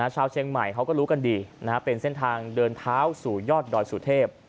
ชาวเชียงใหม่เขาก็รู้กันดีเป็นเส้นทางเดินเท้าสู่ยอดดอยสุเทพ